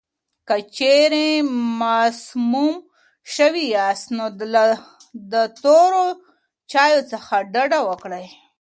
که چېرې مسموم شوي یاست، نو د تورو چایو څخه ډډه وکړئ.